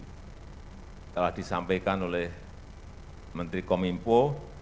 ini telah disampaikan oleh menteri komimpo